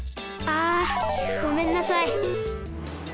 あごめんなさい。